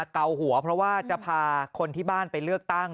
เกาหัวเพราะว่าจะพาคนที่บ้านไปเลือกตั้ง